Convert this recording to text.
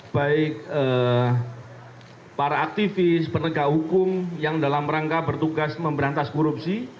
dan para aktivis penegak hukum yang dalam rangka bertugas pemberantasan korupsi